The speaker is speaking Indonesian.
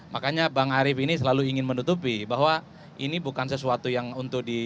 makanya bang arief ini selalu ingin menutupi bahwa ini bukan sesuatu yang untuk di